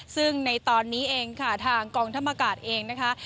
ซึ่งในตอนนี้เองค่ะทางกองทัพอากาศเองนะคะ